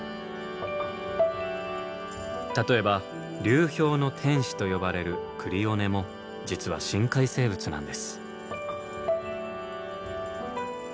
例えば流氷の天使と呼ばれるクリオネも実は深海生物なんです。